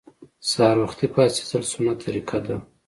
سهار وختي پاڅیدل سنت طریقه ده